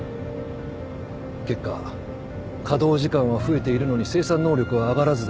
結果稼働時間は増えているのに生産能力は上がらずだ。